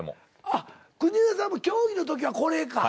あっ国枝さんも競技の時はこれか。